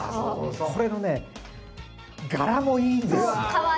これのね柄もいいんですよ。